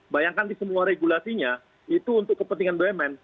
bayangkan di semua regulasinya itu untuk kepentingan bumn